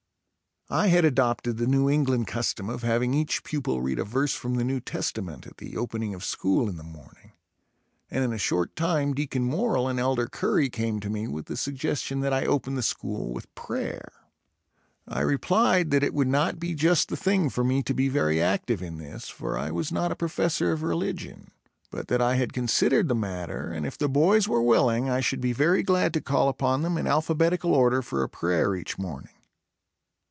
I had adopted the New England custom of having each pupil read a verse from the New Testament at the opening of school in the morning, and in a short time Deacon Morrill and Elder Curray came to me with the suggestion that I open the school with prayer. I replied that it would not be just the thing for me to be very active in this for I was not a professor of religion but that I had considered the matter and if the boys were willing I should be very glad to call upon them in alphabetical order for a prayer each morning.